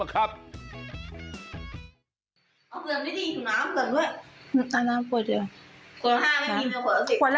เอาเกลือมนิดนึงขอน้ำเกลือมด้วย